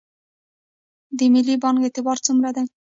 د ملي بانک اعتبار څومره دی؟